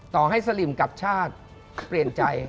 ต่อให้สลิมกับชาติเปลี่ยนใจ